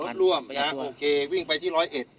โอเควิ่งไปที่ร้อยเอ็ด